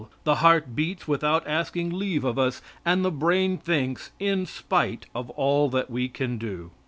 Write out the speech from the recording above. The heart beats without asking leave of us, and the brain thinks in spite of all that we can do.